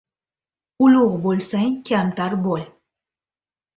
• Ulug‘ bo‘lsang kamtar bo‘l.